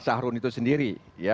sahrun itu sendiri